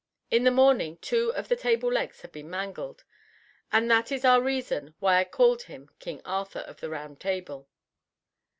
In the morning two of the table legs had been mangled, and that is our reason why I called him King Arthur, of the Round Table.